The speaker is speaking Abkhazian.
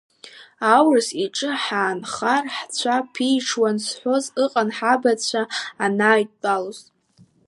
Аурыс иҿы ҳаанхар ҳцәа ԥиҽуан зҳәоз ыҟан ҳабацәа анааидтәалоз.